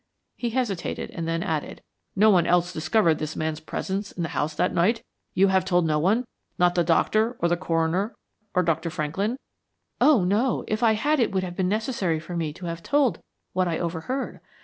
He hesitated, and then added, "No one else discovered this man's presence in the house that night? You have told no one? Not the doctor, or the coroner, or Dr. Franklin?" "Oh, no; if I had it would have been necessary for me to have told what I overheard.